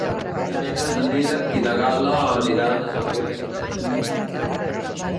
Dimecres en Dídac i na Gal·la aniran a Sant Boi de Lluçanès.